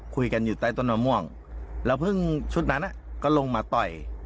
คุยกันอยู่ใต้ต้นมะม่วงแล้วพึ่งชุดนั้นก็ลงมาต่อย